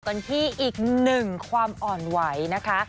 กันที่อีกหนึ่งความอ่อนไหวนะคะ